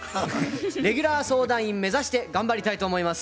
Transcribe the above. レギュラー相談員目指して頑張りたいと思います。